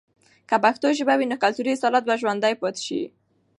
که پښتو ژبه وي، نو کلتوري اصالت به ژوندي پاتې سي.